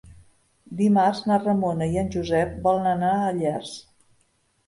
Dimarts na Ramona i en Josep volen anar a Llers.